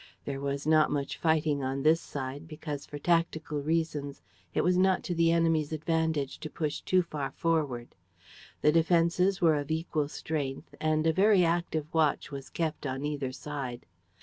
There was not much fighting on this side, because, for tactical reasons, it was not to the enemy's advantage to push too far forward. The defenses were of equal strength; and a very active watch was kept on either side.